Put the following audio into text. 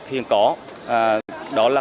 hiện có đó là